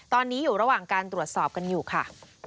ตอนนี้อยู่ระหว่างการตรวจสอบกันอยู่ค่ะ